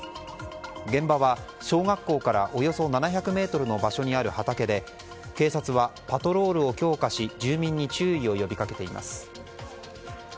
現場は小学校からおよそ７００ｍの場所にある畑で警察は、パトロールを強化し住民に注意を呼びかけています。